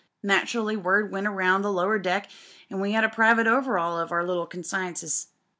Naturally, word went round the lower deck an' we had a private over'aul of our little consciences.